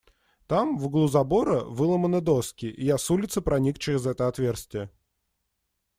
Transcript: Там, в углу забора, выломаны доски, и я с улицы проник через это отверстие.